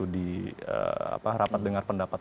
di rapat dengar pendapat